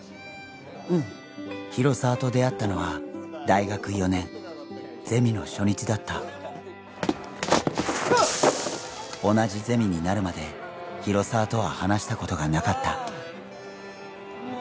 うん広沢と出会ったのは大学４年ゼミの初日だった同じゼミになるまで広沢とは話したことがなかったああ